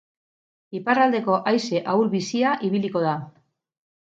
Iparraldeko haize ahul-bizia ibiliko da.